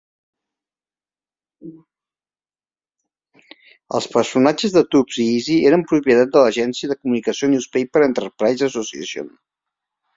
Els personatges de Tubbs i Easy eren propietat de l'agència de comunicació Newspaper Enterprise Association.